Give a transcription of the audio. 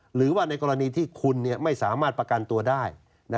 หรือว่าในกรณีที่คุณไม่สามารถประกันตัวได้